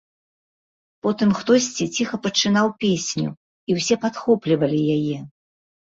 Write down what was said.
Потым хтосьці ціха пачынаў песню, і ўсе падхоплівалі яе.